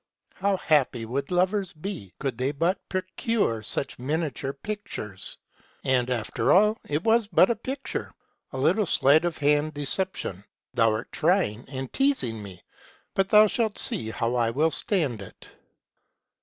How happy would lovers be, could they but procure such miniature pictures ! And, after all, it was but a picture, a little sleight of hand decep tion. Thou art trying and teasing me, but thou shalt see how I will stand it.'